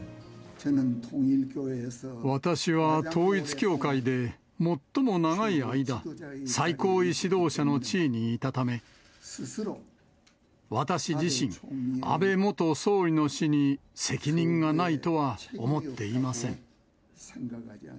私は統一教会で最も長い間、最高位指導者の地位にいたため、私自身、安倍元総理の死に責任がないとは思っていません。